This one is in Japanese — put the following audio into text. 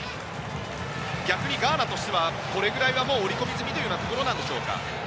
逆にガーナとしてはこれぐらいは織り込み済みでしょうか。